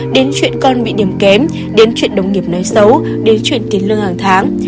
đến chuyện con bị niềm kém đến chuyện đồng nghiệp nói xấu đến chuyện tiến lương hàng tháng